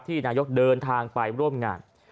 นายกเดินทางไปร่วมงาน